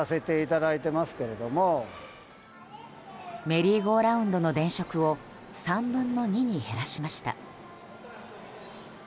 メリーゴーラウンドの電飾を３分の２に減らしました。